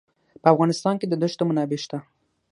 په افغانستان کې د دښتو منابع شته.